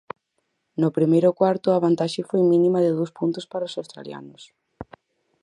No primeiro cuarto a vantaxe foi mínima de dous puntos para os australianos.